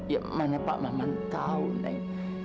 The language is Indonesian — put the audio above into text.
ya mana pak maman tahu neng